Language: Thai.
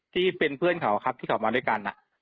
ที่เป็นเพื่อนเขาครับที่เขามาด้วยกัน